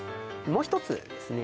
もう一つですね